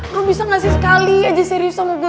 kamu bisa gak sih sekali aja serius sama gue